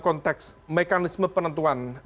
konteks mekanisme penentuan